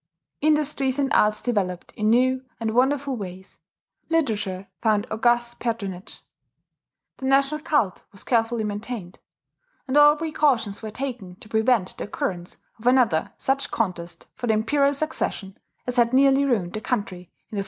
Industries and arts developed in new and wonderful ways; literature found august patronage. The national cult was carefully maintained; and all precautions were taken to prevent the occurrence of another such contest for the imperial succession as had nearly ruined the country in the fourteenth century.